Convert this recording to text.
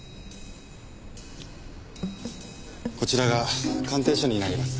こちらが鑑定書になります。